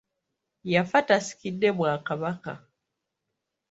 Yafa tasikidde Bwakabaka.